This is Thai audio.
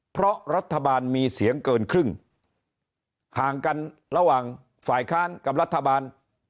เพราะรัฐบาลมีเสียงเกินครึ่งห่างกันระหว่างฝ่ายค้านกับรัฐบาล